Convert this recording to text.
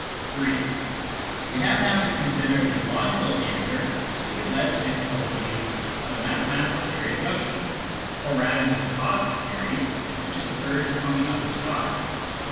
(3) We have now to consider the logical answer to the alleged difficulties of the mathematical theory of motion, or rather to the positive theory which is urged on the other side.